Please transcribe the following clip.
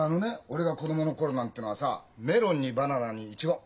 俺が子供の頃なんてのはさメロンにバナナにイチゴ